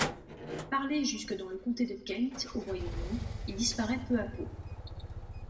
Parlé jusqu’au dans le comté de Kent, au Royaume-Uni, il disparaît peu à peu.